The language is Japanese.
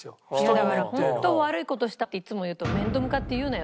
だから「本当悪い事をした」っていつも言うと「面と向かって言うなよ」